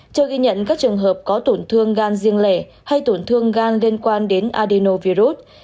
chưa ghi nhận các trường hợp có tổn thương gan riêng lẻ hay tổn thương gan liên quan đến adinovirus